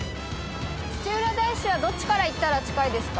土浦大師はどっちから行ったら近いですか？